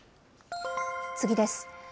次です。